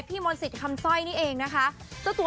พี่มนต์สิตทำซ่อยนี้เองนะคะ